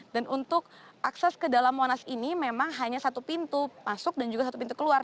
dan untuk akses ke dalam monas ini memang hanya satu pintu masuk dan juga satu pintu keluar